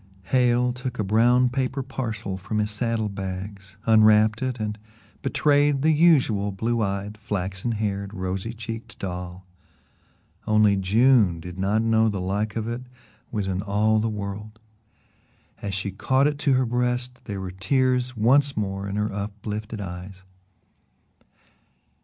Hale took a brown paper parcel from his saddle bags, unwrapped it and betrayed the usual blue eyed, flaxen haired, rosy cheeked doll. Only June did not know the like of it was in all the world. And as she caught it to her breast there were tears once more in her uplifted eyes.